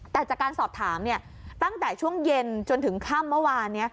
แต่จากการสอบถามตั้งแต่ช่วงเย็นจนถึงค่ำเมื่อวานนี้